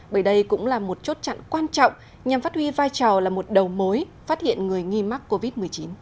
bởi đây cũng là một chốt chặn quan trọng nhằm phát huy vai trò là một đầu mối phát hiện người nghi mắc covid một mươi chín